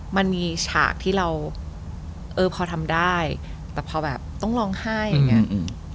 มันมีฉากที่เราเออพอทำได้แต่พอแบบต้องร้องไห้อย่างเงี้อืม